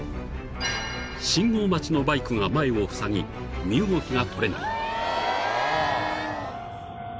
［信号待ちのバイクが前をふさぎ身動きが取れない］